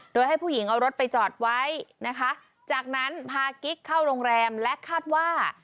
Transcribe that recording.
โดยให้ผู้หญิงเอารถไปจอดไว้นะคะจากนั้นพากิ๊กเข้าโรงแรมและคาดว่า